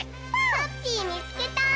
ハッピーみつけた！